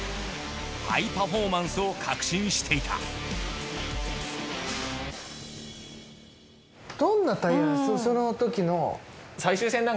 ハイパフォーマンスを確信していたそのときの。